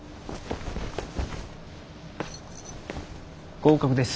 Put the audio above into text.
合格です。